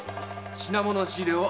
品物の仕入れを。